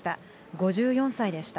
５４歳でした。